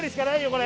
これ。